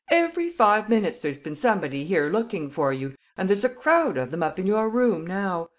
Every five minutes there's been somebody here looking for you, and there's a crowd of them up in your room now.